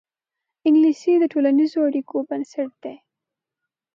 انګلیسي د ټولنیزو اړیکو بنسټ دی